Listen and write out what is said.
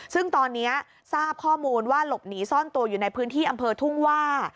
ซึ่งตอนนี้ทราบข้อมูลว่าหลบหนีซ่อนตัวอยู่ในพื้นที่อำเภอทุ่งว่า